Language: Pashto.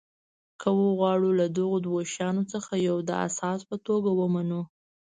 که وغواړو له دغو دوو شیانو څخه یو د اساس په توګه ومنو.